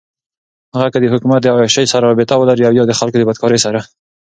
هغــه كه دحــكومت دعيــاشۍ سره رابطه ولري اويا دخلـــكو دبدكارۍ سره.